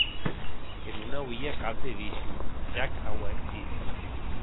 Que non auie cap de vici, ja ac auem dit.